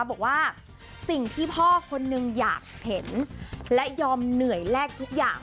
บอกว่าสิ่งที่พ่อคนนึงอยากเห็นและยอมเหนื่อยแลกทุกอย่าง